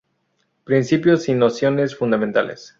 Principios y nociones fundamentales.